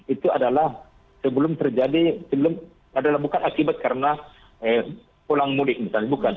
itu adalah sebelum terjadi bukan akibat karena pulang mudik misalnya bukan